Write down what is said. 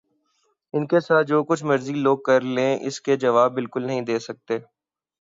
ان کے ساتھ جو کچھ مرضی لوگ کر لیں اس کے جواب بالکل نہیں دے سکتے